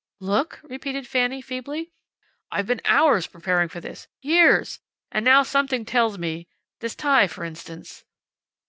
"Look?" repeated Fanny, feebly. "I've been hours preparing for this. Years! And now something tells me This tie, for instance."